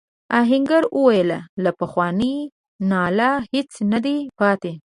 آهنګر وویل له پخواني ناله هیڅ نه دی پاتې.